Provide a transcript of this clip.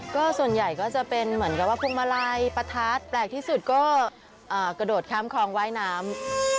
ก็ส่วนใหญ่ก็จะเป็นเหมือนกับว่าพวงมาลัยประทัดแปลกที่สุดก็กระโดดข้ามคลองว่ายน้ำ